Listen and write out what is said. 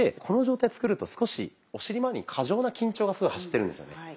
この状態を作ると少しお尻まわりに過剰な緊張が走ってるんですよね。